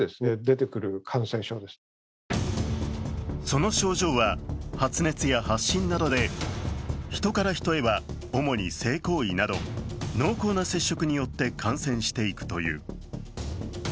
その症状は、発熱や発疹などでヒトからヒトへは主に性行為など濃厚な接触によって感染していくという。